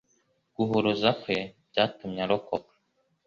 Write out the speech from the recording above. Guhuruza kwe byatumye arokoka